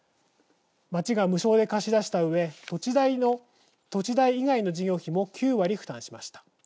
町が無償で貸し出したうえ土地代以外の事業費も９割負担しました。